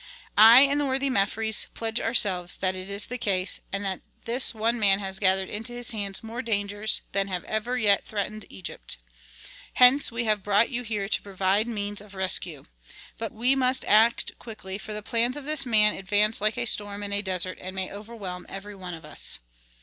"I and the worthy Mefres pledge ourselves that it is the case, and that this one man has gathered into his hands more dangers than have ever yet threatened Egypt. Hence we have brought you here to provide means of rescue. But we must act quickly, for the plans of this man advance like a storm in a desert and may overwhelm every one of us."